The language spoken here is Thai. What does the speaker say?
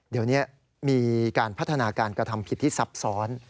เดี๋ยวนี้มีการพัฒนาการกระทำผิดที่ซับซ้อน